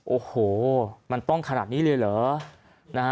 โอ้โหมันต้องขนาดนี้เลยเหรอ